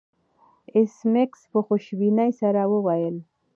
ایس میکس په خوشبینۍ سره وویل